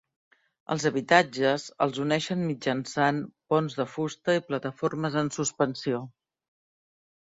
Els habitatges els uneixen mitjançant ponts de fusta i plataformes en suspensió.